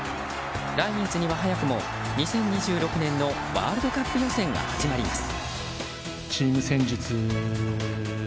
来月には早くも２０２６年のワールドカップ予選が始まります。